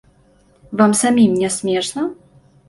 Вам самім не смешна?!